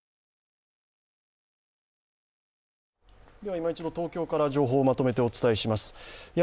いま一度、東京から情報をまとめてお伝えします。